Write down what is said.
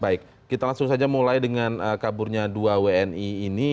baik kita langsung saja mulai dengan kaburnya dua wni ini